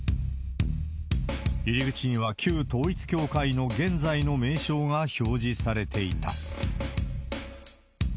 入り口には旧統一教会の現在の名称が表示されていた。